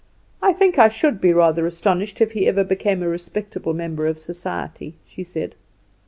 "I think I should be rather astonished if he ever became a respectable member of society," she said.